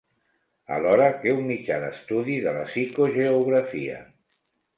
Alhora que un mitjà d'estudi de la psicogeografia.